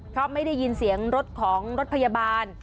เพราะไม่ได้ยินเสียงรถของรถพยาบาล